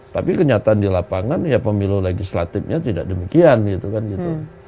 tapi kenyataan di lapangan ya pemilu legislatifnya tidak demikian gitu kan gitu